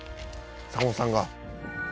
坂本さんが」